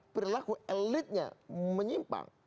perilaku elitnya menyimpang